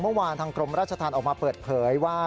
เมื่อวานทางกรมราชธรรมออกมาเปิดเผยว่า